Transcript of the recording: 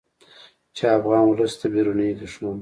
چې افغان ولس د بیروني دښمن